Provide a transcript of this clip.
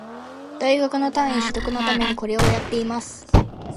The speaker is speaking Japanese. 大学の単位取得のためにこれをやってます